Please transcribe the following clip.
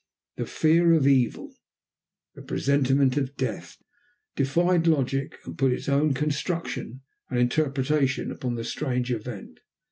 The fear of evil, the presentiment of death, defied logic and put its own construction and interpretation upon the strange event.